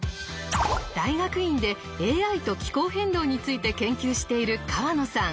大学院でＡＩと気候変動について研究している河野さん。